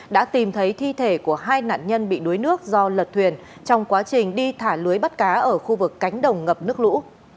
đã tìm thấy thi thể của hai nạn nhân bị đuối nước do lật thuyền trong quá trình đi thả lưới bắt cá ở khu vực cánh đồng ngập nước lũ